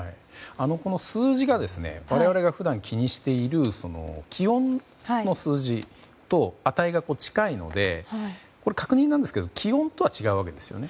この数字が我々が普段気にしている気温の数字と値が近いのでこれは確認なんですが気温とは違うわけですよね。